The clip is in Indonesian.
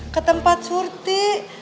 ke tempat surti